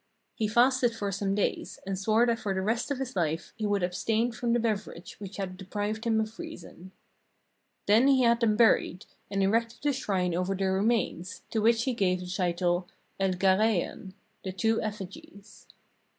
He fasted for some days, and swore that for the rest of his life he would abstain from the beverage which had de prived him of reason. Then he had them buried, and 509 ARABIA erected a shrine over their remains, to which he gave the title, ' El Ghareiain ' (The Two Effigies)